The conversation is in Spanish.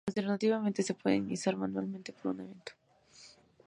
Alternativamente, se pueden iniciar manualmente o por un evento.